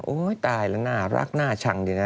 ตายแล้วน่ารักน่าชังดีนะ